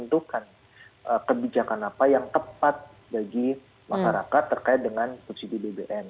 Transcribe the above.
menentukan kebijakan apa yang tepat bagi masyarakat terkait dengan subsidi bbm